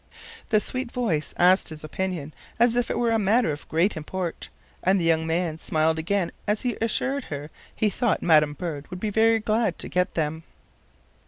The sweet voice asked his opinion as if it were a matter of great import, and the young man smiled again as he assured her he thought madam bird would be very glad to get them.